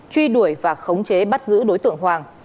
truy đuổi và khống chế bắt giữ đối tượng hoàng